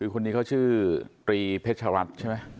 คนนี้เขาชื่อตรีเพชรัตน์ใช่ไหม